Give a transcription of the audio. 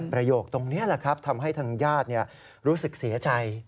ประโยคตรงนี้แหละครับทำให้ทางญาติรู้สึกเสียใจ